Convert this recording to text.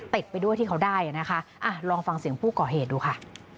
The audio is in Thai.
ไปด้วยที่เขาได้นะคะลองฟังเสียงผู้ก่อเหตุดูค่ะ